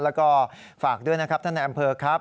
แล้วก็ฝากด้วยนะครับท่านนายอำเภอครับ